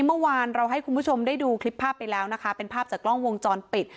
เมื่อวานเราให้คุณผู้ชมได้ดูคลิปภาพไปแล้วนะคะเป็นภาพจากกล้องวงจรปิด